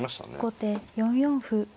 後手４四歩。